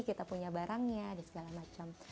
kita punya barangnya dan segala macam